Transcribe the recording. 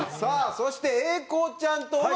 そして英孝ちゃんと尾形？